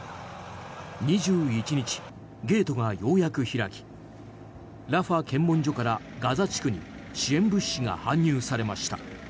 ２１日、ゲートがようやく開きラファ検問所からガザ地区に支援物資が搬入されました。